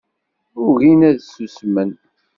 Ugin ad susmen